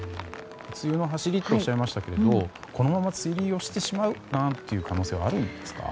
梅雨の走りっておっしゃいましたけどこのまま梅雨入りをしてしまう可能性はあるんですか？